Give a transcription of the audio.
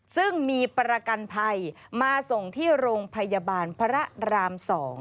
ซึ่งมีประกันภัยมาส่งที่โรงพยาบาลพระราม๒